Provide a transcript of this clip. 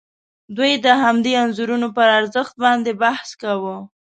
دوی د همدې انځورونو پر ارزښت باندې بحث کاوه.